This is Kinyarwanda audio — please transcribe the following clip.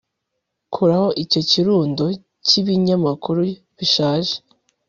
Kuraho icyo kirundo cyibinyamakuru bishaje